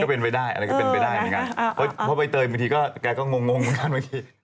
ก็เป็นไปได้อะไรก็เป็นไปได้พอไปเตยบางทีก็แกก็งงเมื่อกี้